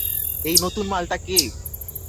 এই নতুন মালটা কে?